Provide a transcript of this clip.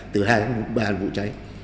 từ hai đến ba là vụ cháy